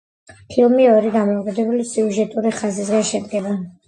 ფილმი ორი დამოუკიდებელი სიუჟეტური ხაზისგან შედგება.